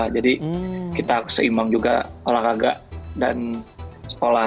jadi kita harus seimbang juga olahraga dan sekolah